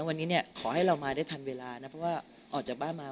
วันนี้เนี่ยขอให้เรามาได้ทันเวลานะเพราะว่าออกจากบ้านมา